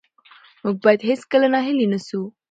موږ باید هېڅکله ناهیلي نه سو.